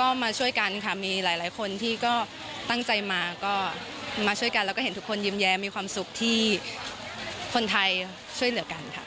ก็มาช่วยกันค่ะมีหลายคนที่ก็ตั้งใจมาก็มาช่วยกันแล้วก็เห็นทุกคนยิ้มแย้มีความสุขที่คนไทยช่วยเหลือกันค่ะ